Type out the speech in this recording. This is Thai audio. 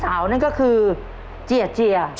คำว่าพี่สาวนั้นก็คือเจียจริยา